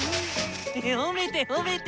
ほめてほめて！